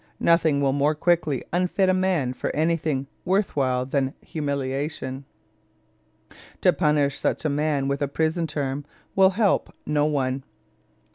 Nothing will more quickly unfit a man for anything worth while than humiliation. To punish such a man with a prison term will help no one.